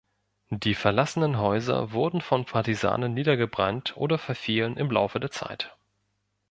Die verlassenen Häuser wurden von Partisanen niedergebrannt oder verfielen im Laufe der Zeit.